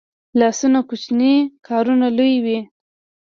لاسونه کوچني کارونه لویوي